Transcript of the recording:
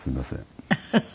フフフフ！